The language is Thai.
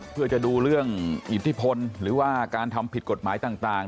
เพื่อจะดูเรื่องอิทธิพลหรือว่าการทำผิดกฎหมายต่าง